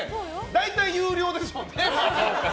大体有料ですもんね。